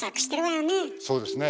そうですね。